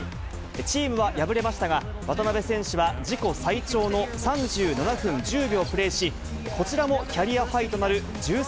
チームは敗れましたが、渡邊選手は自己最長の３７分１０秒プレーし、こちらもキャリアハイとなる１３